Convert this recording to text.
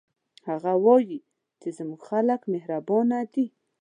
هغه وایي چې زموږ خلک مهربانه دي